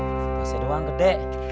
sebenarnya ngga ada uang kedek